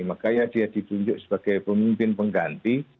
makanya dia ditunjuk sebagai pemimpin pengganti